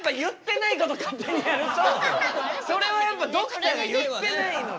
それはやっぱドクターが言ってないので。